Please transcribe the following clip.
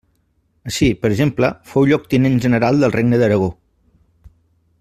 Així, per exemple, fou lloctinent general del Regne d'Aragó.